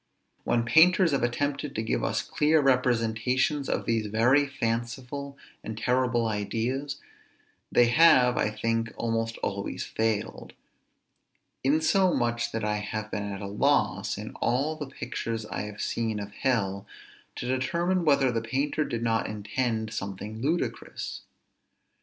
When painters have attempted to give us clear representations of these very fanciful and terrible ideas, they have, I think, almost always failed; insomuch that I have been at a loss, in all the pictures I have seen of hell, to determine whether the painter did not intend something ludicrous.